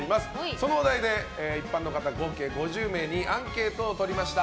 そのお題で一般の方合計５０名にアンケートを取りました。